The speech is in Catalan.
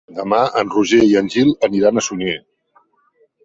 Demà en Roger i en Gil aniran a Sunyer.